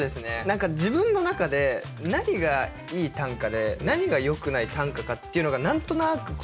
何か自分の中で何がいい短歌で何がよくない短歌かっていうのが何となく見えてくるようになって。